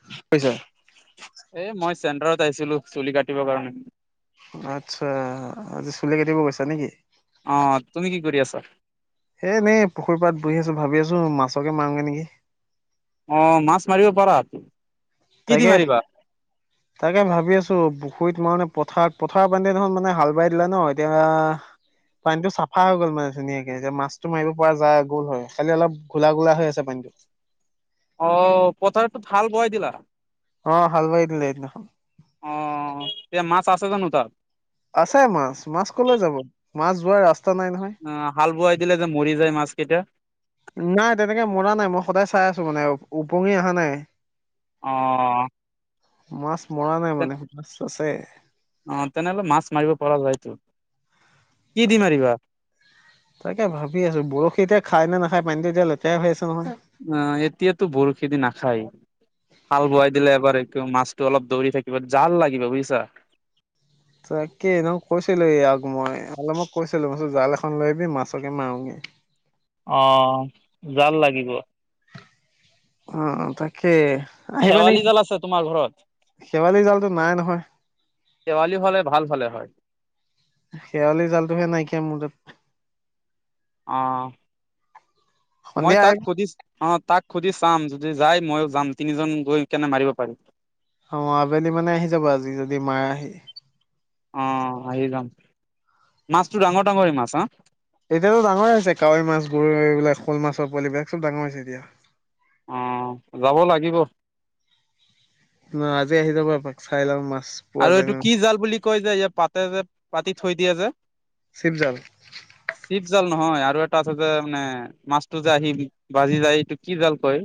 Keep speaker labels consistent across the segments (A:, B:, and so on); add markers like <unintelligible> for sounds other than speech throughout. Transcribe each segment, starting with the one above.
A: <unintelligible>
B: এ, মই চেণ্টাৰত আহিছিলোঁ, চুলি কাটিবৰ কাৰণে।
A: আচ্ছা, আজি চুলি কাটিব গৈছা নেকি?
B: অ' তুমি কি কৰি আছা?
A: হে এনে পুখুৰী পাৰত বহি আছোঁ, ভাবি আছোঁ মাছকে মাৰোগে নেকি।
B: অ', মাছ মাৰিব পাৰাতো।
A: তাকে। তাকে ভাবি আছোঁ পুখুৰীত মাৰোনে পথাৰ, পথাৰত মানে হাল বাই দিলা ন' এতিয়া পানীটো চাফা হৈ গ'ল মানে ধুনীয়াকৈ যে মাছটো মাৰিব পৰা যায় গ'ল হয়, খালি অলপ গুলা গুলা হৈ আছে পানীটো।
B: অ' পথাৰতো হাল বোৱাই দিলা?
A: অ' হাল বাই দিলে সেইদিনাখন।
B: অ' তেয়া মাছ আছে জানো তাত?
A: আছে মাছ, মাছ কলৈ যাব, মাছ যোৱাৰ ৰাস্তা নাই নহয়।
B: অ' হাল বোৱাই দিলে যে মৰি যায় মাছ কেইটা।
A: নাই তেনেকে মৰা নাই, মই সদায় চাই আছোঁ মানে ওপঙি অহা নাই।
B: অ'।
A: মাছ মৰা নাই মানে, মাছ আছে।
B: অ' তেনেহ'লে মাছ মাৰিব পৰা যায়তো। কি দি মাৰিবা?
A: তাকে ভাবি আছোঁ, বৰশী এতিয়া খাই নে নাখাই, পানীটো এতিয়া লেতেৰা হৈ আছে নহয়।
B: অ' এতিয়াতো বৰশী দি নাখায়। হাল বোৱাই দিলে এবাৰ এক মাছটো অলপ দৌৰি থাকিব, জাল লাগিব বুজিছা।
A: তাকেই <unintelligible> কৈছিলে ই আক মই অলপমক কৈছিলোঁ যে জাল এখন লৈ আহিবি মাছকে মাৰোগে।
B: অ' জাল লাগিব।
A: অ' তাকে। আহিবা
B: শেৱালি
A: নেকি?
B: জাল আছে তোমাৰ ঘৰত
A: শেৱালি জালটো নাই নহয়।
B: শেৱালি হ'লে ভাল হ'লে হয়।
A: শেৱালি জালটোহে নাইকিয়া মোৰ তাত।
B: অ' মই
A: সন্ধিয়া
B: তাক
A: আহিবি
B: সুধিছ অ' তাক সুধি চাম যদি যাই মইও যাম, তিনিজন গৈ কেনে মাৰিব পাৰিম।
A: অ' আবেলি মানে আহি যাব আজি, যদি মাৰাহি।
B: অ' আহি যাম। মাছতো ডাঙৰ ডাঙৰ মাছ হা?
A: এতিয়াতো ডাঙৰে হৈছে কাৱৈ মাছবোৰ এইবিলাক শ'ল মাছৰ পোৱালিবিলাক চব ডাঙৰ হৈছে এতিয়া।
B: অ' যাব লাগিব।
A: ন আজি আহি যাব এপাক, চাই লওঁ মাছ। পোৱা
B: আৰু
A: যায়
B: এইটো
A: নে নাই।
B: কি জাল বুলি কয় যে ইয়াত পাতে যে, পাতি থৈ দিয়ে যে?
A: চিপজাল
B: চিপ জাল নহয় আৰু এটা আছে যে মানে মাছটো যে আহি বাজি যায় এইটো কি জাল কয়?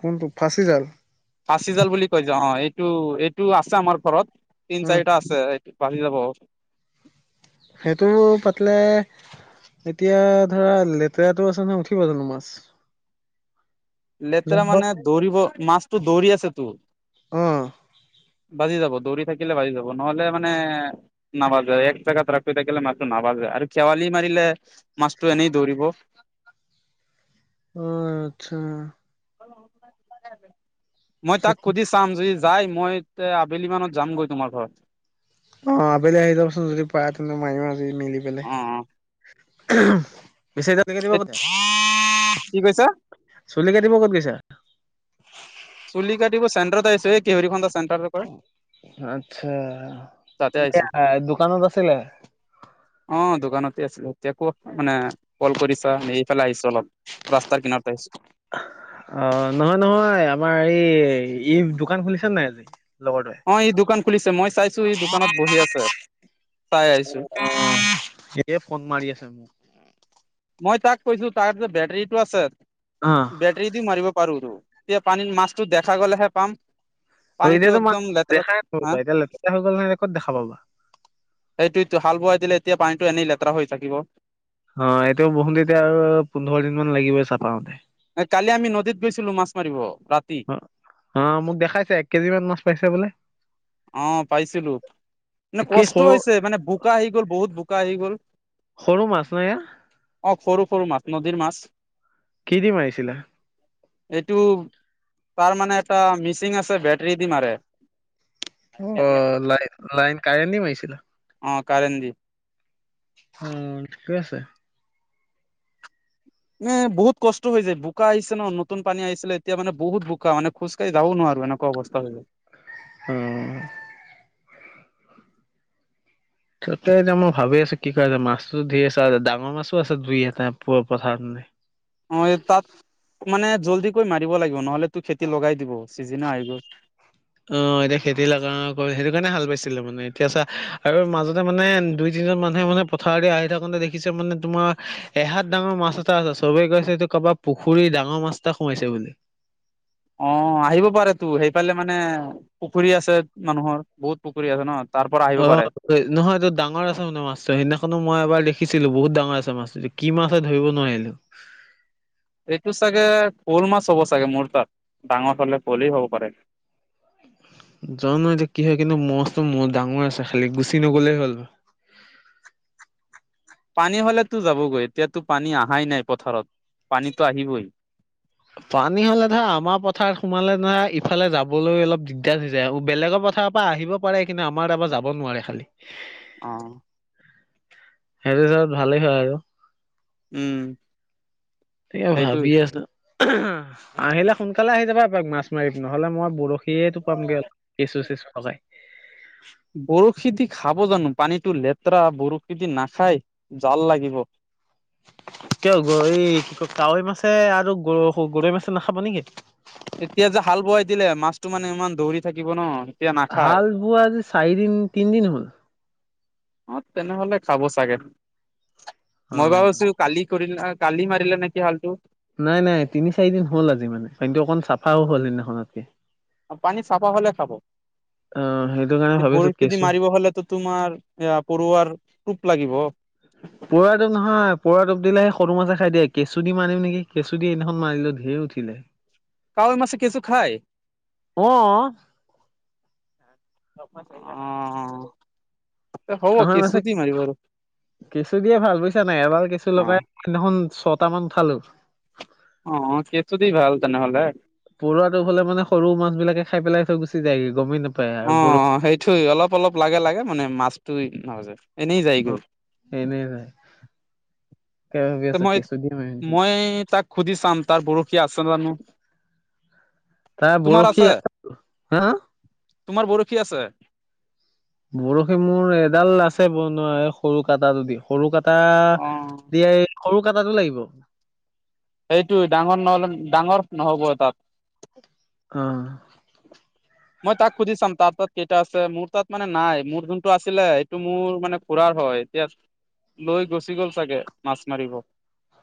A: কোনটো? ফাঁচি জাল।
B: ফাঁচি জাল বুলি কয় যে, অ' এইটো, এইটো আছে আমাৰ ঘৰত, তিন
A: উম,
B: চাৰিটা আছে। ছে এইটো পালি যাব।
A: সেইটো পাতলে এতিয়া ধৰা লেতেৰাটো আছে নহয় উঠিব জানো মাছ?
B: লেতেৰা মানে দৌৰিব, মাছটো দৌৰি আছে তো।
A: অ',
B: বাজি যাব, দৌৰি থাকিলে বাজি যাব, নহ'লে মানে নাবাজে এক জেগাত ৰাখি থাকিলে মাছটো নাবাজে আৰু খেৱালি মাৰিলে মাছটো এনেই দৌৰিব।
A: অ আচ্ছা।
B: মই তাক সুধিছ চাম যদি যাই মই আবেলি মানত যামগৈ তোমাৰ ঘৰত।
A: অ আবেলি আহি যাবচোন যদি পাৰা তেন্তে মাৰি আজি মিলি পেলাই।
B: অ অ এ কি কৈছা
A: <unintelligible> চুলি কাটিব ক'ত গৈছা?
B: চুলি কাটিব চেণ্টাৰত আহিছো এই কেউৰি <unintelligible> চেণ্টাৰত
A: আচ্ছা
B: তাতে
A: <unintelligible>
B: আহিছো
A: দোকানত আছিলে?
B: অ দোকানতে আছিলো এতিয়া ক'ত মানে কল কৰিছা এইফালে আহিছো অলপ। ৰাস্তাৰ কিনাৰত আহিছো।
A: অ নহয় নহয় আমাৰ এই ই দোকান খুলিছে নে নাই আজি? লগৰটোৱে।
B: অ ই দোকান খুলিছে, মই চাইছো ই দোকানত বহি আছে, চাই আহিছো।
A: অ সেয়ে ফোন মাৰি আছে মোক।
B: মই তাক কৈছো তাৰ যে বেটৰীটো আছে
A: অ।
B: বেটেৰী দি মাৰিব পাৰোতো, এতিয়া পানীৰ মাছটো দেখা গ'লেহে পাম। পানীটো
A: এতিয়াতো মানে
B: একদম লেতেৰা
A: দেখাই
B: হা
A: নাপাবা এতিয়া লেতেৰা হৈ গ'ল নহয় ক'ত দেখা পাবা।
B: সেইটোটো হাল বোৱাই দিলে এতিয়া পানীটো এনেই লেতেৰা হৈ থাকিব।
A: অ এতিয়াও বৰষুণ দিলে এতিয়া আৰু পোন্ধৰ দিন মান লাগিবই চাফা হওঁতে।
B: কালি আমি নদীত গৈছিলো মাছ মাৰিব ৰাতি।
A: অ অ মোক দেখাইছে এক কেজি মান মাছ পাইছে বোলে।
B: অ পাইছিলো, মানে
A: কি
B: কষ্ট
A: সৰু
B: হৈছে মানে বোকা আহি গ'ল বহুত বোকা আহি গ'ল।
A: সৰু মাছ ন সেয়া?
B: অ সৰু সৰু মাছ, নদীৰ মাছ।
A: কি দি মাৰিছিলা?
B: এইটো তাৰ মানে এটা মিচিং আছে বেটৰী দি মাৰে।
A: অ লাই লাইন কাৰেণ্ট দি মাৰিছিলা?
B: অ কাৰেণ্ট দি।
A: অ ঠিকে আছে।
B: এ বহুত কষ্ট হৈ যায়, বোকা আহিছে ন নতুন পানী আহিছিলে এতিয়া মানে বহুত বোকা মানে খোজকাঢ়ি যাব নোৱাৰো এনেকুৱা অৱস্থা হৈ গ'ল।
A: উম ততে এতিয়া মই ভাবি আছো কি কৰা যায় মাছতো ঢেৰ আছে, ডাঙৰ মাছো আছে দুই এটা প-পথাৰত মানে।
B: অ এই তাত মানে জলদি কৈ মাৰিব লাগিব নহ'লে তোৰ খেতি লগাই দিব ছিজনও আহি গ'ল।
A: অ এতিয়া খেতি লগা সেইটো কাৰণে হাল বাইছিলে মানে, এতিয়া চা আৰু মাজতে মানে দুই তিনিজন মানুহে মানে পথাৰদি আহি থাকোতে দেখিছে মানে তোমাৰ এহাত ডাঙৰ মাছ এটা আছে, চবে কৈছে এইটো কাৰোবা পুখুৰীৰ ডাঙৰ মাছ এটা সোমাইছে বুলি।
B: অ আহিব পাৰেতো, সেইফালে মানে পুখুৰী আছে মানুহৰ বহুত পুখুৰী আছে ন'। তাৰ পৰা আহিব
A: অহ।
B: পাৰে।
A: নহয়, এইটো ডাঙৰ আছে মানে মাছটো, সেইদিনাখনো মই এবাৰ দেখিছিলোঁ বহুত ডাঙৰ আছে মাছটো এতিয়া কি মাছ হয় ধৰিব নোৱাৰিলোঁ।
B: এইটো চাগে শ'ল মাছ হ'ব চাগে মোৰ তাত, ডাঙৰ হ'লে বৰলি হ'ব পাৰে।
A: জানো এতিয়া কি হয় কিন্তু মাছটো ডাঙৰ আছে খালি গুচি নগলেই হ'ল।
B: পানী হ'লেতো যাবগৈ, এতিয়াতো পানী আহাই নাই পথাৰত, পানীতো আহিবয়।
A: পানী হ'লে ধৰা আমাৰ পথাৰত সোমালে ধৰা ইফালে যাবলৈ অলপ দিগদাৰ হৈ যায়, বেলেগৰ পথাৰত পৰা আহিব পাৰা নাই কিন্তু আমাৰ তাৰপৰা যাব নোৱাৰে খালি।
B: অহ।
A: সেইটোতো ভালেই হয় আৰু।
B: উম।
A: এ
B: সেইটোৱে।
A: ভাবি আছো, <unintelligible> আহিলে সোনকালে আহি যাবা এপাক মাছ মাৰিব, নহ'লে মই বৰশী সেইটো পামগে কেঁচু-চেঁচু লগাই।
B: বৰশী দি খাব জানো, পানীটো লেতেৰা বৰশী দি নাখায়, জাল লাগিব।
A: কিয় গ' এই কাৱৈ মাছে আৰু গ-গৰৈ মাছে নাখাব নেকি?
B: এতিয়া যে হাল বোৱাই দিলে, মাছটো মানে ইমান দৌৰি থাকিব ন'। এতিয়া নাখায়।
A: হাল বোৱা আজি চাৰিদিন, তিনদিন হ'ল।
B: অহ, তেনেহ'লে খাব চাগে,
A: অ
B: মই ভাবিছোঁ কালি কৰিল নহয়, কালি মাৰিলে নেকি হালটো।
A: নাই, নাই, তিনি চাৰি দিন হ'ল আজি মানে পানীটো অকণ চাফাও হ'ল সেইদিনাখনতকে।
B: পানী চাফা হ'লে খাব,
A: অ সেইটো কাৰণে ভাবিছো
B: বৰশী দি
A: কেঁচু
B: মাৰিব হ'লেতো তোমাৰ এয়া পৰুৱাৰ টোপ লাগিব।
A: <unintelligible> পৰুৱা টোপ নহয়, পৰুৱাৰ টোপ দিলে সৰু মাজে খায় দিয়ে, কেঁচু দি মাৰিম নেকি, কেঁচু দি সেইদিনাখন মাৰিলে ঢেৰ উঠিলে। <unintelligible>
B: কাৱৈ মাছে কেচু খায়?
A: অ
B: অহ
A: কাবৈ মাছে,
B: আৰু
A: ৎ কেঁচু দিয়ে ভাল বুজিছানে নাই। এবাৰ কেঁচু
B: অ
A: লগাই সেইদিনাখন ছটা মান উঠালো।
B: অহ, কেচু দি ভাল তেনেহ'লে।
A: পৰুৱাটো হ'লে মানে সৰু মাছবিলাকে খায় পেলাই থৈ গুচি যায়গৈ গমেই নাপায়। আৰু বৰশী
B: অহ, সেইটোই অলপ-অলপ লাগে-লাগে মানে মাছটো এ নাবাজে, এনেই
A: অ
B: যায়গৈ।
A: এনেই যায়। কি ভাবি আছ কেচু দি মাৰিম কি।
B: <unintelligible> তাত সুধি চাম তাৰ বৰষী আছে জানোঁ।
A: তাৰ বৰশী
B: আছে
A: আ। <unintelligible> হা!
B: তোমাৰ বৰশী আছে?
A: বৰশী মোৰ এডাল আছে বনোৱা, এই সৰু কাটাটো দি। সৰু কাটা,
B: অ
A: দিয়ে সৰু কাটাটো লাগিব।
B: সেইটোৱে ডাঙৰ নহ'লে, ডাঙৰ নহ'ব তাত।
A: অহ।
B: মই তাক সুধি চাম, তাৰ তাত কেইটা আছে। মোৰ তাত মানে নাই, মোৰ যোনটো আছিলে। সেইটো মোৰ মানে খুৰাৰ হয়। এতিয়া লৈ গুচি গ'ল চাগে, মাছ মাৰিব।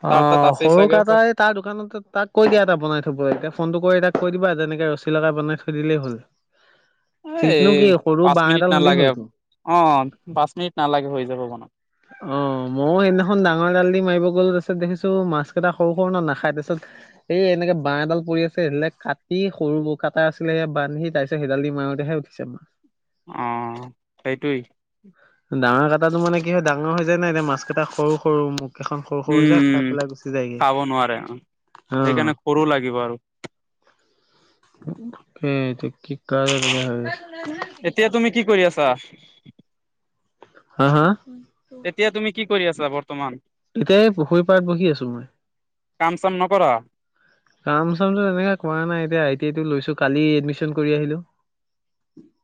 B: তাৰ তাত
A: অহ',
B: আছেই
A: সৰু
B: চাগে
A: কাটাই তাৰ দোকানত গৈ, তাক কৈ দিয়া এটা বনাই থবলৈ। এতিয়া ফোনটো কৰি তাক কৈ দিবা যে, এনেকে ৰছী লগা বনাই থৈ দিলেই হ'ল। <unintelligible>
B: এই,
A: কি সৰু
B: পাঁচ
A: বাঁহ
B: মিনিট
A: এডাল হ'লেই
B: নালাগে
A: হ'লতো
B: অ' পাঁচ মিনিট নালাগে হৈ যাব বনত
A: অ', মইয়ো সেইদিনাখন ডাঙৰ এডাল দি মাৰিব গ'লো তাৰপিছত দেখিছোঁ মাছ কেইটা সৰু সৰু ন নাখায় তাৰপিছত এই এনেকে বাঁহ এডাল পৰি আছে, সেই ডালেৰে কাটি সৰু- সৰু কাটা আছিলে সেয়া বান্ধি সেইডাল দি মাৰোতেহে উঠিছে মাছ।
B: অ', সেইটোৱেই,
A: ডাঙৰ কাটাটো মানে কি হয় ডাঙৰ হৈ যায় নাই। এতিয়া মাছ কেইটা সৰু -সৰু মুখ কেইখন সৰু সৰু যে খাই
B: উম'
A: পেলাই গুচি যায়গে।
B: খাব নোৱাৰে অহ
A: অ',
B: সেইকাৰণে সৰু লাগিব আৰু
A: এইটো কি কাজ <unintelligible>
B: এতিয়া তুমি কি কৰি আছা?
A: হা, হা,
B: এতিয়া তুমি কি কৰি আছা? বৰ্তমান,
A: তাকে এই পুখুৰী পাৰত বহি আছোঁ মই
B: কাম চাম নকৰ?
A: কাম চামটো এনেকে, কৰা নাই এতিয়া আই টি আই টো লৈছোঁ কালি এডমিশ্যন কৰি আহিলো।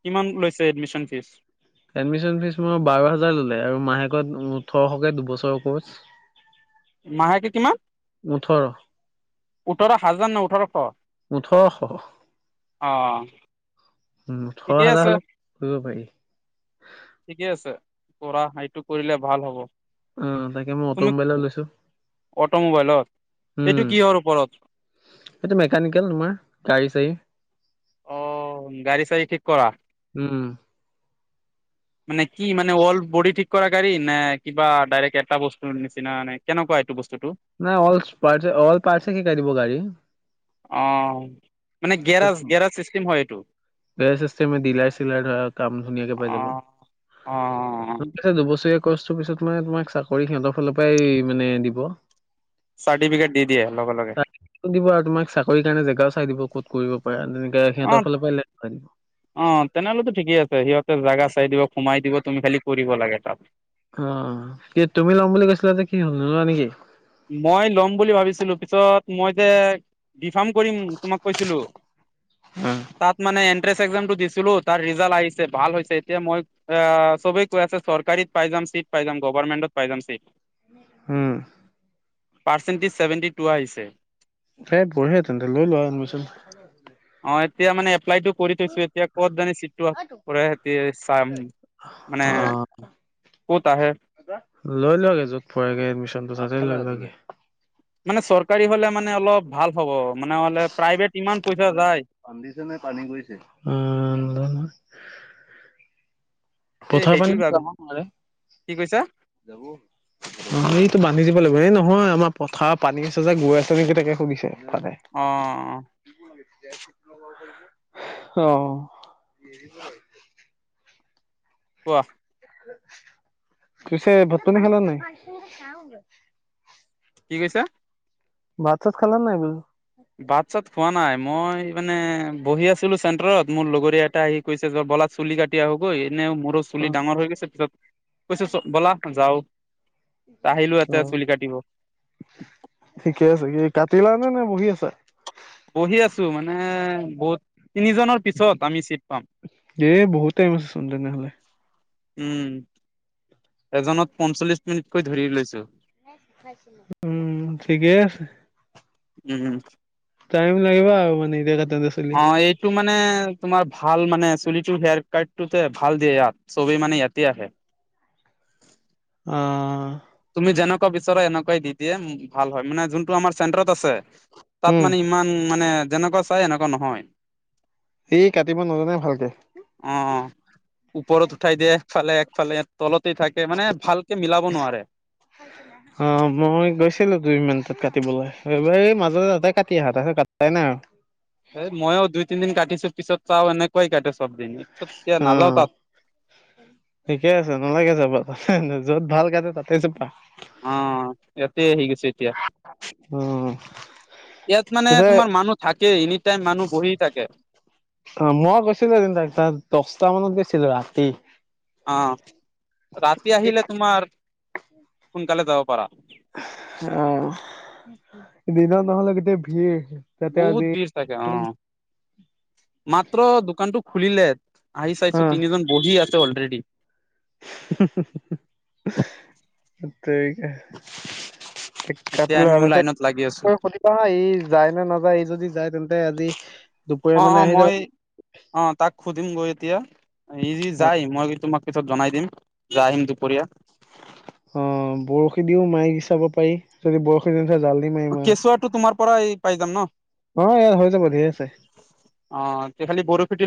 B: কিমান লৈছে এডমিশ্যন ফীজ?
A: এডমিশ্যন ফীজ তোমাৰ বাৰ হাজাৰ ললে আৰু মাহেকত ওঠৰশকে দুবছৰৰ কোৰ্চ <inaudible>
B: মাহেকে কিমান? ওঠৰ হাজাৰ ন ওঠৰশ,
A: ওঠৰশ,
B: অ',
A: উম', ওঠৰ
B: ঠিকেই আছে
A: হাজাৰ হলে কৰিব পাৰি?
B: ঠিকে আছে, কৰা এইটো কৰিলে ভাল হ'ব।
A: অ', তাকে মই
B: তুমি,
A: অট'মোবাইলত লৈছো
B: অটোমোবাইলত।
A: উম,
B: এইটো কিহৰ ওপৰত?
A: এইটো মেকানিকেল তোমাৰ গাড়ী -চাড়ী,
B: অ', গাড়ী- চাড়ী ঠিক কৰা?
A: উম
B: মানে, কি মানে অল বডি ঠিক কৰাৰ গাড়ী নে? কিবা ডাইৰেক্ট এটা বস্তুৰ নিচিনা নে? কেনেকুৱা এইটো বস্তুটো?
A: মানে অলছ, পাৰ্চ অল পাৰ্চে শিকাই দিব গাড়ীৰ।
B: অ মানে গেৰাজ গেৰাজ চিষ্টেম হয় এইটো
A: গেৰেজ চিষ্টেম দিলাৰে চিলাৰে ধৰা কাম ধুনীয়াকে পাই
B: অ
A: যাবা
B: অ
A: আচ্ছা দুবছৰীয়া কৰ্ছটোৰ পিছত মানে তোমাক চাকৰি সিহঁতৰ ফালৰ পৰাই মানে দিব
B: চাৰ্টিফিকেট দি দিয়ে লগে লগে
A: কত দিব আৰু তোমাক চাকৰি কাৰণে জেগাও চাই দিব ক'ত কৰিব পাৰো তেনেকে
B: অ
A: সিহঁতৰ ফালৰ পৰাই কৰাই দিব।
B: অ তেনেহ'লেতো ঠিকে আছে সিহঁতে জোগা চাই দিব সোমাই দিব তুমি খালি কৰিব লাগে কাম
A: অ কি তুমি ল'ম বুলি কৈছিলা যে কি হ'ল নোলোৱা নেকি
B: মই ল'ম বুলি ভাবিছিলো পিছত মই এতিয়া বি ফাৰ্ম কৰিম তোমাক কৈছিলো
A: অ,
B: তাত মানে এন্ট্ৰেন্স একজামটো দিছিলো তাৰ ৰিজাল্ট আহিছে ভাল হৈছে এতিয়া মই অ চবেই কৈ আছে চৰকাৰীত পাই যাম চিট পাই যাম গভাৰমেন্টত পাই যাম seat
A: home
B: percentage seventy two আহিছে
A: সেই বঢ়িয়া তেন্তে লৈ লোৱা এডমিশ্যন <unintelligible>
B: অঁ! এতিয়া মানে এপ্লাইটো কৰি থৈছোঁ এতিয়া ক'ত জানি চি <unintelligible> কৰে সিহঁতি চাম মানে
A: হয় <unintelligible>
B: ক'ত আহে?
A: লৈ ল‌ওক য'ত <unintelligible> এডমিশনটো তাতে লৈ লোৱাগে।
B: মানে চৰকাৰী হ'লে মানে অলপ ভাল হ'ব মানে হ'লে প্ৰাইভেট কিমান পইচা যায়
A: <unintelligible> বান্ধিছে নে পানী গৈছে? উম।
B: এই
A: পথাৰ পানী
B: সেইটোৱে ভাবি
A: যাব পাৰে।
B: কি কৈছা
A: অঁ! এইটো বান্ধি দিব লাগিব। এই নহয় আমাৰ পথাৰ পানী আছে যে গৈ আছে নেকি তাকে সুধিছে তালে।
B: অ
A: <unintelligible> অঁ। <inaudible>
B: কোৱা?
A: পিছে ভাত-পানী খালা নাই? চাওঁ <unintelligible>
B: কি কৈছা?
A: ভাত-চাত খালা নাই বোলো?
B: ভাত-চাত খোৱা নাই। মই মানে বহি আছিলোঁ চেন্টাৰত মোৰ লগৰীয়া এটা আহি কৈছে যোৱা বলা চুলি কাটি আহোঁগৈ এনেই মোৰো
A: অ
B: চুলি ডাঙৰ হৈ গৈছে পিছত কৈছে চ ব'লা যাওঁ। আহিলো ইয়াতে
A: অঁ!
B: চুলি কাটিব
A: ঠিকে আছে। কি কাটিলা নে নে বহি আছা?
B: বহি আছোঁ মানে বহুত তিনি জনৰ পিছত আমি চিট পাম।
A: এ বহুত টাইম আছে চোন তেনেহ'লে।
B: উম! এজনত পঞ্চল্লিছ মিনিটকৈ ধৰি লৈছোঁ।
A: <unintelligible> উম! ঠিকেই আছে।
B: উম-উম।
A: টাইম লাগিব আৰু মানে এতিয়া তাতেটো।
B: অঁ! এইটো মানে তোমাৰ ভাল মানে চুলিটো হেয়াৰ কাটটো যে ভাল দিয়ে ইয়াত। চবেই মানে ইয়াতে আহে।
A: অঁ!
B: তুমি যেনেকুৱা বিচৰা এনেকুৱাই দি দিয়ে। ভাল হয় মানে যোনটো আমাৰ চেণ্টাৰত আছে। তাত
A: উম
B: মানে ইমান মানে যেনেকুৱা চাই এনেকুৱা নহয়।
A: সি কাটিব নাজানে ভালকে।
B: অঁ-অঁ! ওপৰত উঠাই দিয়ে একফালে-একফালে। তলতে থাকে মানে ভালকে মিলাব নোৱাৰে।
A: হয়। <unintelligible> অঁ! মই গৈছিলোঁ দুই মান তাত কাটিবলে। এইবাৰে মাজতে তাতে কাটি আহা তাৰপিছত কাটাই নাই আৰু।
B: এ ময়ো দুই, তিনদিন কাটিছো পিছত চাওঁ এনেকুৱাই কাটে চবদিন পিছত নাযাওঁ
A: অ।
B: তাত।
A: ঠিকে আছে নালাগে যাব তাত। য'ত ভাল কাটে তাতে যাবা।
B: অঁ! এইয়াতে আহি গৈছোঁ এতিয়া।
A: উম।
B: ইয়াত মানে তোমাৰ মানুহ থাকেই এনি টাইম মানুহ বহি থাকে।
A: অঁ! মই গৈছিলোঁ এদিন তাত দহটা মানত গৈছিলোঁ ৰাতি।
B: অঁ! ৰাতি আহিলে তোমাৰ সোনকালে যাব পাৰা।
A: <unintelligible> অঁ! দিনত নহ'লে গোটেই ভিৰ। তাতে
B: বহুত
A: আজি
B: ভিৰ থাকে অ', মাত্ৰ দোকানটো খুলিলে। আহি
A: অ
B: চাইছো তিনিজন বহি আছে অলৰেডি।
A: <unintelligible> কাটি
B: এতিয়া আমিও
A: লোৱা,
B: লাইনত লাগি আছো
A: সুধিবা হা যায় নে নাযায় ই যদি যায় তেন্তে আজি দুপৰীয়া
B: অ',
A: মানে
B: অ',
A: আহি যাব
B: মই অ', তাক সুধিম গৈ এতিয়া। ই যদি যাই মই তোমাক পিছত জনাই দিম, যে আহিম দুপৰীয়া।
A: অ', বৰশী দিও মাৰি চাব পাৰি যদি বৰশী নুঠে জাল দি মাৰিম আৰু
B: কেঁচুৱাটো তোমাৰ পৰা এই পাই যাম ন'?
A: অ', এ হৈ যাব ধেৰ আছে।
B: অ', তই খালি বৰশীটো